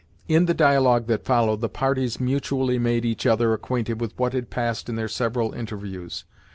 In the dialogue that followed, the parties mutually made each other acquainted with what had passed in their several interviews.